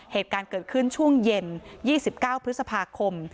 เหตุการณ์เกิดขึ้นช่วงเย็น๒๙พฤษภาคม